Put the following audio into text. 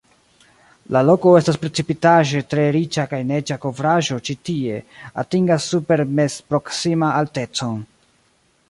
La loko estas precipitaĵe tre riĉa kaj neĝa kovraĵo ĉi tie atingas supermezproksima altecon.